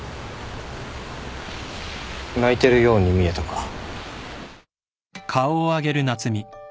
泣いてるように見えたから。